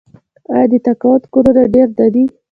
آیا د تقاعد کورونه ډیر نه دي؟